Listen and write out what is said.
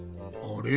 あれ？